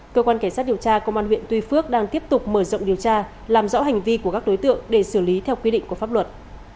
cơ quan cảnh sát điều tra công an huyện tuy phước đang tiếp tục mở rộng điều tra làm rõ hành vi của các đối tượng để xử lý theo quy định của pháp luật